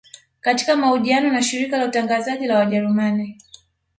Katika mahojiano na shirika la utangazaji la wajerumani